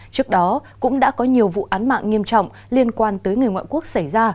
trước đó cũng đã có nhiều vụ án mạng nghiêm trọng liên quan tới người ngoại quốc xảy ra